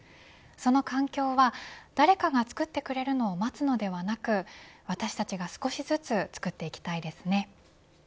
その環境は誰かがつくってくれるのを待つのではなく私たちが少しずつつくっていきたいですね。